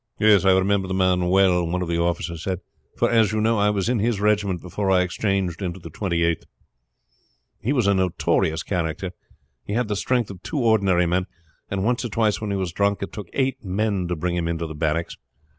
"I remember the man well," one of the officers said; "for, as you know, I was in his regiment before I exchanged into the Twenty eighth. He was a notorious character. He had the strength of two ordinary men, and once or twice when he was drunk it took eight men to bring him into barracks.